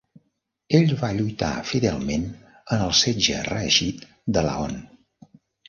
Ell va lluitar fidelment en el setge reeixit de Laon.